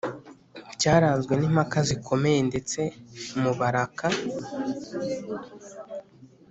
cyaranzwe n’impaka zikomeye ndetse mubaraka